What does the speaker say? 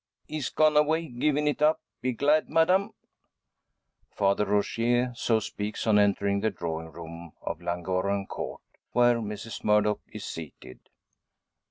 "He's gone away given it up! Be glad, madame!" Father Rogier so speaks on entering the drawing room of Llangorren Court, where Mrs Murdock is seated.